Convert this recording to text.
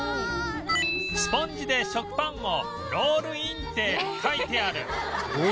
「スポンジで食パンをロールイン！」って書いてある